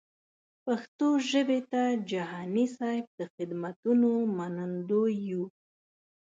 پښتو ژبې ته جهاني صېب د خدمتونو منندوی یو.